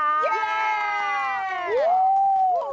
เย้